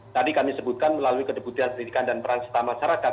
tadi kami sebutkan melalui kedeputian pendidikan dan peran serta masyarakat